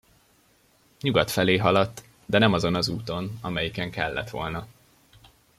Nyugat felé haladt, de nem azon az úton, amelyiken kellett volna.